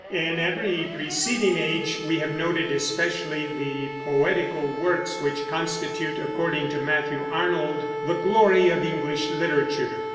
In every preceding age we have noted especially the poetical works, which constitute, according to Matthew Arnold, the glory of English literature.